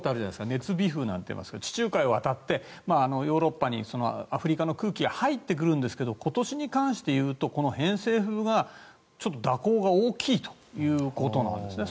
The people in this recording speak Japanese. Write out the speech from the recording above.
熱微風なんていいますが地中海を渡ってヨーロッパにアフリカの空気が入ってくるんですが今年に関して言うと偏西風の蛇行が大きいということなんですね。